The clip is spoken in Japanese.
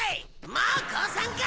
もう降参か？